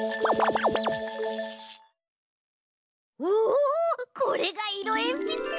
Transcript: おこれがいろえんぴつか！